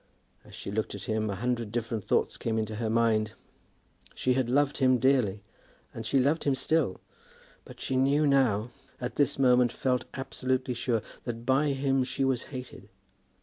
As she looked at him a hundred different thoughts came into her mind. She had loved him dearly, and she loved him still; but she knew now, at this moment felt absolutely sure, that by him she was hated!